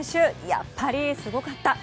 やっぱりすごかった。